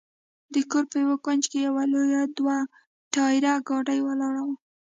د کور په یوه کونج کې یوه لویه دوه ټایره ګاډۍ ولاړه وه.